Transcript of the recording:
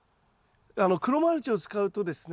黒マルチを使うとですね